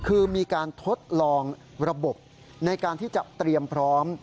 คือมีการทดลองระบบในการที่จะเตรียมพร้อม